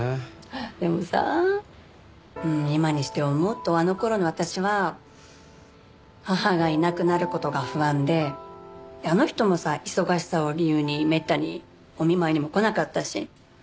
でもさ今にして思うとあの頃の私は母がいなくなる事が不安であの人もさ忙しさを理由にめったにお見舞いにも来なかったし。